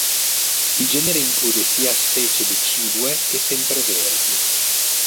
Il genere include sia specie decidue che sempreverdi.